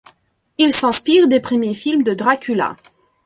Il s'inspire des premiers films de Dracula.